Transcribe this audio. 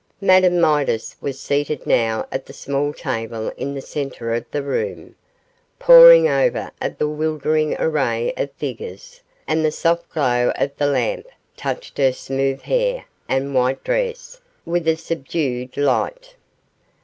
Madame Midas was seated now at the small table in the centre of the room, poring over a bewildering array of figures, and the soft glow of the lamp touched her smooth hair and white dress with a subdued light.